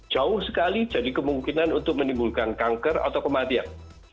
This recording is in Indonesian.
jauh sekali jadi kemungkinan untuk menimbulkan kanker atau kematian